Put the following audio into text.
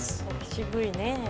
渋いね。